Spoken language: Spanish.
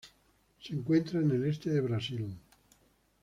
Se encuentra en el este de Brasil.